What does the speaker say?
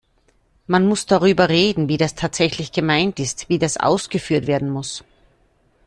Man muss darüber reden, wie das tatsächlich gemeint ist, wie das ausgeführt werden muss.